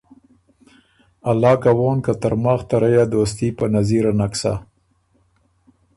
الله کوون که ترماخ ته رئ ا دوستي په نظیره نک سۀ